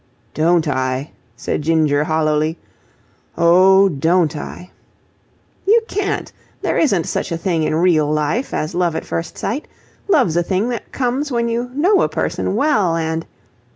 "Don't I!" said Ginger, hollowly. "Oh, don't I!" "You can't! There isn't such a thing in real life as love at first sight. Love's a thing that comes when you know a person well and..."